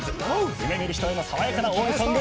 夢みる人への爽やかな応援ソング